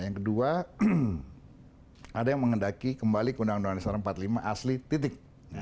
yang kedua ada yang mengendaki kembali ke undang undang dasar empat puluh lima asli titik